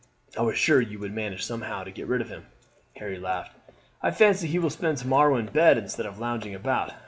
I was sure you would manage somehow to get rid of him." Harry laughed. "I fancy he will spend to morrow in bed instead of lounging about.